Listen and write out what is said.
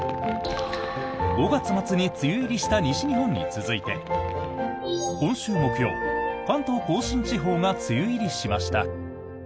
５月末に梅雨入りした西日本に続いて今週木曜、関東・甲信地方が梅雨入りしました。